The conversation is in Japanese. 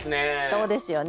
そうですよね。